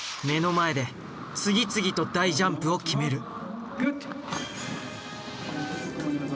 目の前で次々と大ジャンプを決める。